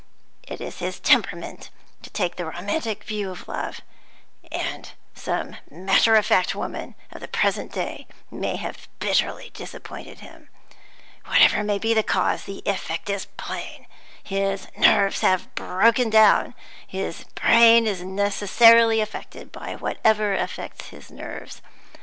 It is in his temperament to take the romantic view of love; and some matter of fact woman of the present day may have bitterly disappointed him. Whatever may be the cause, the effect is plain his nerves have broken down, and his brain is necessarily affected by whatever affects his nerves.